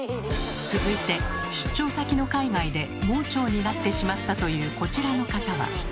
続いて出張先の海外で盲腸になってしまったというこちらの方は。